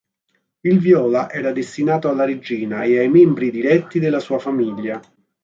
Il viola era destinato alla regina e ai membri diretti della sua famiglia.